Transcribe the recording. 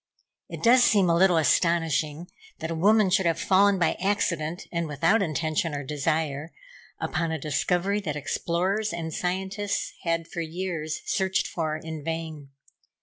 It does seem a little astonishing that a woman should have fallen by accident, and without intention or desire, upon a discovery that explorers and scientists had for years searched for in vain.